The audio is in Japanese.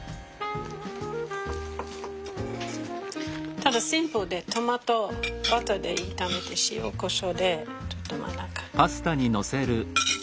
ただシンプルでトマトバターで炒めて塩こしょうでちょっと真ん中に。